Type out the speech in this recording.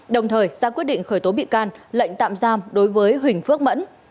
đồng thời ra quyết định khởi tố bị can lệnh tạm giam đối với huỳnh phước mẫn